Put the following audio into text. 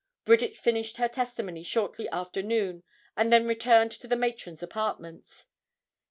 Bridget finished her testimony shortly after noon and then returned to the matron's apartments.